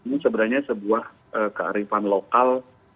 ini sebenarnya sebuah kearifan lokal